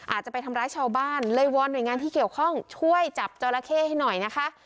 อาจจะไปทำร้ายชาวบ้านเลยวอนหน่วยงานที่เกี่ยวข้องช่วยจับจอราเข้ให้หน่อยนะคะ